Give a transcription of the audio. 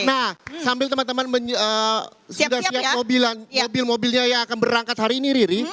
nah sambil teman teman sudah siap mobilan mobil mobilnya yang akan berangkat hari ini riri